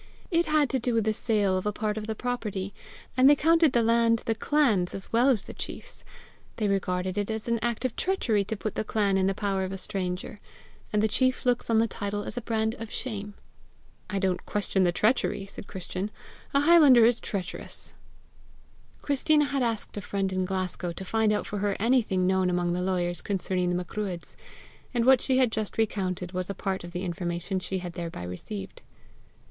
It had to do with the sale of a part of the property, and they counted the land the clan's as well as the chief's. They regarded it as an act of treachery to put the clan in the power of a stranger, and the chief looks on the title as a brand of shame." "I don't question the treachery," said Christian. "A highlander is treacherous." Christina had asked a friend in Glasgow to find out for her anything known among the lawyers concerning the Macruadhs, and what she had just recounted was a part of the information she had thereby received.